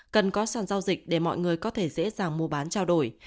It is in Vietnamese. cần có sản giao dịch để mọi người có thể dễ dàng mua bán trao đổi